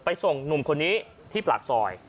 ส่งหนุ่มคนนี้ที่ปากซอย